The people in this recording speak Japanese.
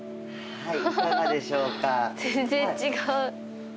はい。